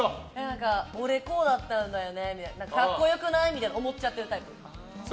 俺、こうだったんだよね格好良くない？みたいな思っちゃってるタイプ。